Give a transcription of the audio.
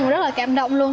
rất là cảm động luôn